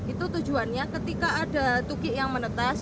itu tujuannya ketika ada tukik yang menetas